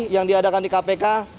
yang diadakan di kpk